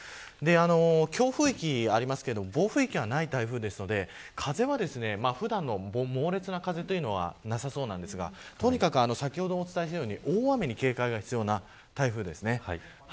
強風域がありますけど暴風域はない台風なので風は、普段の猛烈な風というのはなさそうですがとにかく先ほどお伝えしたように大雨に警戒が必要な台風です。